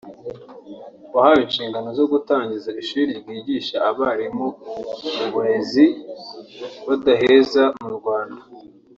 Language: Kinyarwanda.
wahawe inshingano zo gutangiza ishuri ryigisha abarimu mu burezi budaheza mu Rwanda